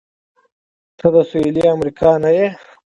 ته د سهېلي امریکا یې؟ نه.